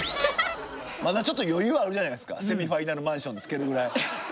まだちょっと余裕あるじゃないですかセミファイナルマンション付けるぐらい。